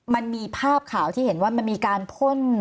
มันมีภาพข่าวที่เห็นว่ามันมีการพ่น